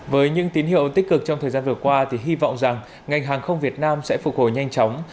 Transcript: với những tín hiệu tích cực trong thời gian vừa qua thì hy vọng rằng ngành hàng không việt nam sẽ phục hồi nhanh chóng